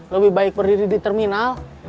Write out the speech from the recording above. lebih baik berdiri di terminal